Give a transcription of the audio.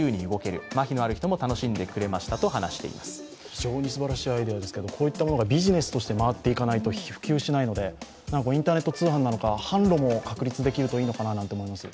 非常にすばらしいアイデアですけど、こういったものがビジネスとして回っていかないと普及しないのでインターネット通販なのか販路も確立できるといいのかなと思います。